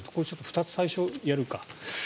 ２つ、最初やるか。